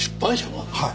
はい。